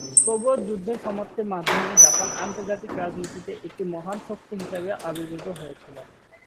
তবুও যুদ্ধের সমাপ্তির মাধ্যমে জাপান আন্তর্জাতিক রাজনীতিতে একটি মহান শক্তি হিসাবে আবির্ভূত হয়েছিল।